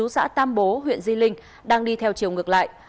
xã tam bố huyện di linh đang đi theo chiều ngược lại